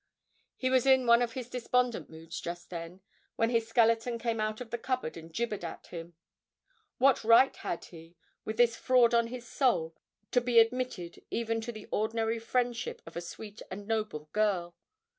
He was in one of his despondent moods just then, when his skeleton came out of the cupboard and gibbered at him. What right had he, with this fraud on his soul, to be admitted even to the ordinary friendship of a sweet and noble girl?